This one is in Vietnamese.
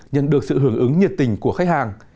nhận được sự hưởng ứng nhiệt tình của khách hàng